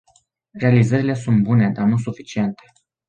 Realizările sunt bune, dar nu suficiente.